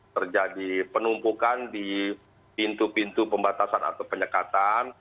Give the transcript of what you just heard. terjadi penumpukan di pintu pintu pembatasan atau penyekatan